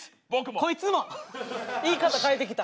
こいつも言い方変えてきた。